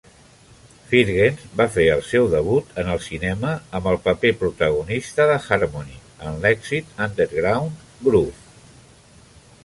Firgens va fer el seu debut en el cinema amb el paper protagonista de Harmony en l'èxit underground "Groove".